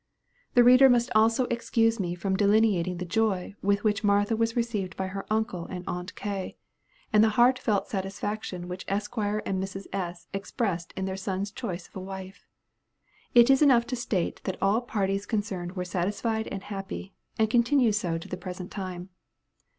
The reader must also excuse me from delineating the joy with which Martha was received by her uncle and aunt K.; and the heartfelt satisfaction which Esquire and Mrs. S. expressed in their son's choice of a wife. It is enough to state that all parties concerned were satisfied and happy, and continue so to the present time.